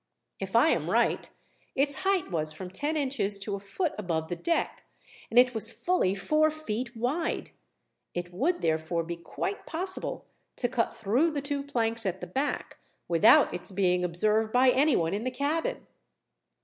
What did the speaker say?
If I am right, its height was from ten inches to a foot above the deck, and it was fully four feet wide. It would therefore be quite possible to cut through the two planks at the back, without its being observed by anyone in the cabin."